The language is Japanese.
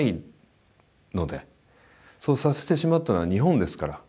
そうさせてしまったのは日本ですから。